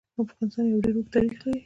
افغانستان يو ډير اوږد تاريخ لري.